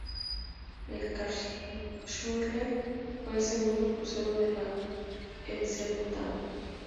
El "Karlsruhe" fue el segundo crucero de la en ser botado.